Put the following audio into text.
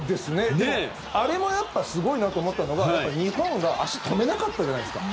でも、あれもやっぱりすごいなと思ったのが、日本が足止めなかったじゃないですか。